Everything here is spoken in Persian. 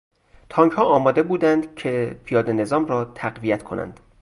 تانکها آماده بودند که پیادهنظام را تقویت کنند.